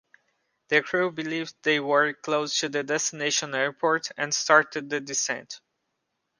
The crew believed they were close to the destination airport and started the descent.